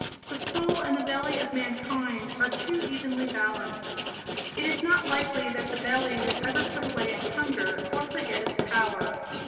The soul and the belly of mankind are too evenly balanced; it is not likely that the belly will ever put away its hunger or forget its power.